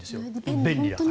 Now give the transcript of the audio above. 便利だから。